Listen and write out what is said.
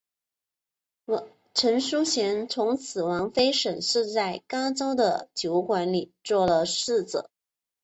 陈叔贤从此王妃沈氏在瓜州的酒馆里做了侍者。